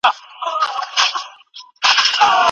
حساب کتاب به کيږي.